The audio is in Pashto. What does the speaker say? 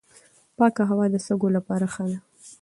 پاکه هوا د سږو لپاره ښه ده.